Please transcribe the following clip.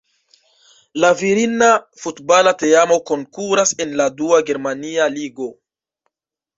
La virina futbala teamo konkuras en la dua germania ligo.